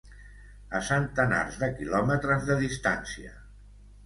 ...a centenars de quilòmetres de distància